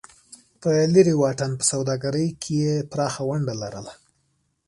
په لرې واټن په سوداګرۍ کې یې پراخه ونډه لرله.